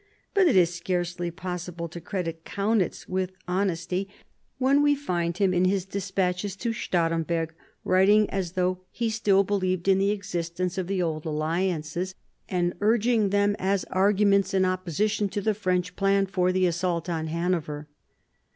But it is scarcely possible to credit Kaunitz with honesty when we find him, in his despatches to Stahremberg, writing as though he still 1756 7 CHANGE OF ALLIANCES 125 believed in the existence of the old alliances, and urging them as arguments in opposition to the French plan for the assault on Hanover.